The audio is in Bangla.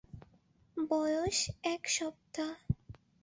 বয়স এক সপ্তাহ।